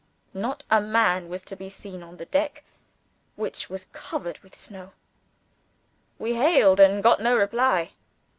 "Not a man was to be seen on the deck, which was covered with snow. We hailed, and got no reply.